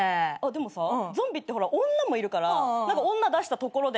でもさゾンビって女もいるから女出したところでみたいなのない？